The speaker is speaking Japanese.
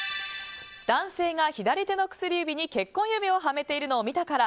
男性が左手にの薬指に結婚指輪をはめているのを見たから。